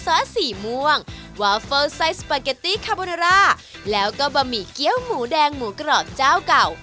สีม่วงวาเฟอร์ไส้สปาเกตตี้คาโบนาร่าแล้วก็บะหมี่เกี้ยวหมูแดงหมูกรอบเจ้าเก่า